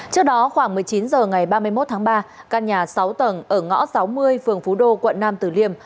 trước đó khoảng một mươi chín h ngày ba mươi một tháng ba căn nhà sáu tầng ở ngõ sáu mươi phường phú đô quận nam tử liêm